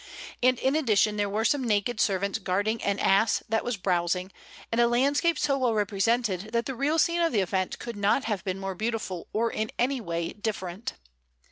And in addition there were some naked servants guarding an ass that was browsing, and a landscape so well represented that the real scene of the event could not have been more beautiful or in any way different.